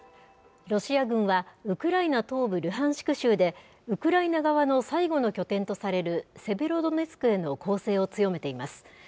ロシア軍は、ウクライナ東部、ルハンシク州で、ウクライナ側の最後の拠点とされるセベロドネツクへの攻勢を強めています。